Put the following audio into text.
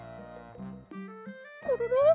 コロロ？